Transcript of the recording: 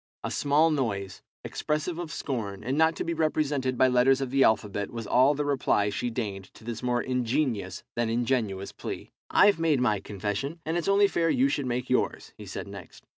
A small noise, expressive of scorn, and not to be represented by letters of the alphabet, was all the reply she deigned to this more ingenious than ingenuous plea. "I've made my confession, and it's only fair you should make yours," he said next.